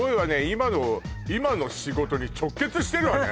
今の今の仕事に直結してるわね